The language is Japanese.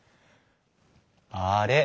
あれ？